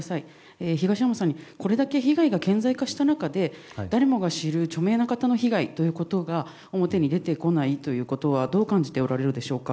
東山さんに、これだけ被害が顕在化した中で誰もが知る著名な方の被害ということが表に出てこないということはどう感じておられるでしょうか。